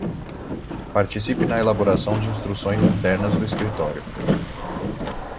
Participe na elaboração de instruções internas do Escritório.